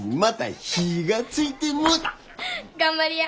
頑張りや。